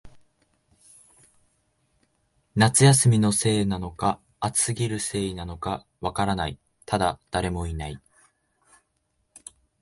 夏休みのせいなのか、暑すぎるせいなのか、わからない、ただ、誰もいない